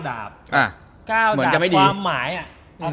๙ดาวความหมายอะ